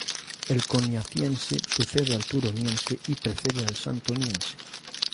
El Coniaciense sucede al Turoniense y precede al Santoniense.